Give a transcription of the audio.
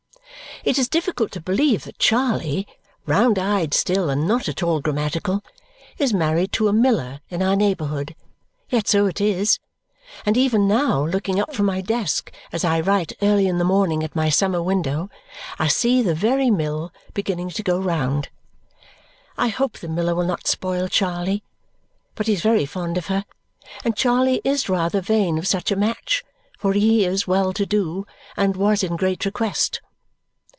It is difficult to believe that Charley (round eyed still, and not at all grammatical) is married to a miller in our neighbourhood; yet so it is; and even now, looking up from my desk as I write early in the morning at my summer window, I see the very mill beginning to go round. I hope the miller will not spoil Charley; but he is very fond of her, and Charley is rather vain of such a match, for he is well to do and was in great request.